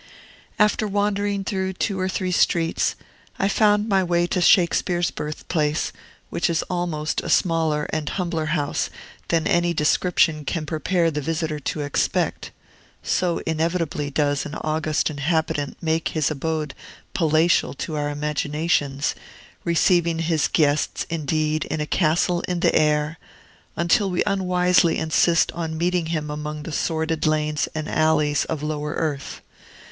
After wandering through two or three streets, I found my way to Shakespeare's birthplace, which is almost a smaller and humbler house than any description can prepare the visitor to expect; so inevitably does an august inhabitant make his abode palatial to our imaginations, receiving his guests, indeed, in a castle in the air, until we unwisely insist on meeting him among the sordid lanes and alleys of lower earth.